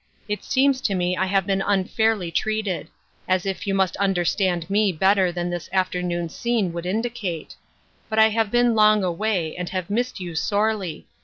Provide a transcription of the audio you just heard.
It seems to me I have been unfairly treated ; as if you must understand me better than this afternoon's scene would indicate. But I have been long away, and have missed you sorely.